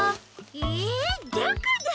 えどこだ？